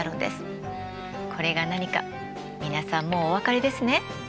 これが何か皆さんもうお分かりですね？